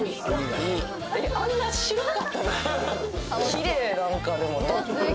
あんな白かったですか？